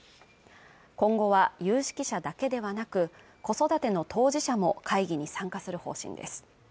今後は有識者だけではなく子育ての当事者も会議に参加する方針です